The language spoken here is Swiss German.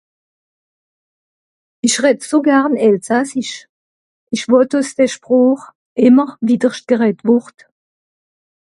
Ìch redd so garn elsassisch. Ìch wott àss d'Sproch ìmmer wìdderscht gereddt wùrd.